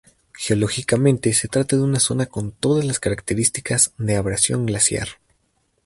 Geológicamente se trata de una zona con todas las características de abrasión glaciar.